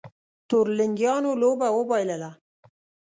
تورلېنګانو لوبه وبایلله